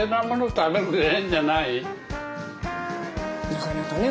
なかなかね